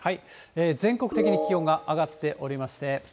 全国的に気温が上がっておりまして。